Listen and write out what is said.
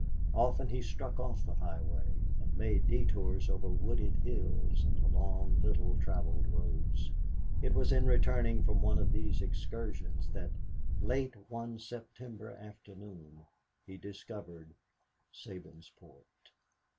Often he struck off the highway and made detours over wooded hills and along little traveled roads. It was in returning from one of these excursions that, late one September afternoon, he discovered Sabinsport.